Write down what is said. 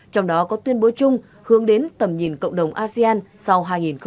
trong đó có tuyên bố chung hướng đến tầm nhìn cộng đồng asean sau hai nghìn hai mươi năm